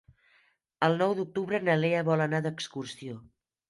El nou d'octubre na Lea vol anar d'excursió.